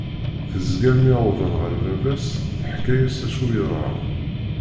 Tezger mi wḍen ɣer baba-s teḥka-as acu yeḍran.